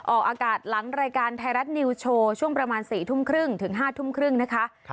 ออกอากาศหลังรายการไทยรัฐนิวโชว์ช่วงประมาณ๔ทุ่มครึ่งถึง๕ทุ่มครึ่งนะคะ